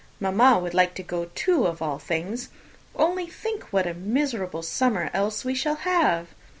Mamma would like to go, too, of all things! Only think what a miserable summer else we shall have!"